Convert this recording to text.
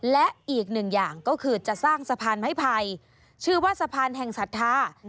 และอีกหนึ่งอย่างก็คือจะสร้างสะพานไม้ไผ่ชื่อว่าสะพานแห่งศรัทธา